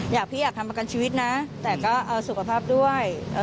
อยากพี่อยากทำประกันชีวิตนะแต่ก็เอาสุขภาพด้วย